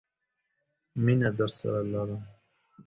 مينه درسره لرم.